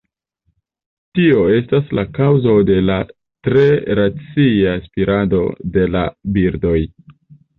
Tio estas la kaŭzo de la tre racia spirado de la birdoj.